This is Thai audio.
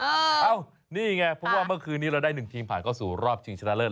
เอ้านี่ไงเพราะว่าเมื่อคืนนี้เราได้หนึ่งทีมผ่านเข้าสู่รอบชิงชนะเลิศ